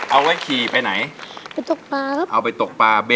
เอาไหมซื้อให้เอาเปล่า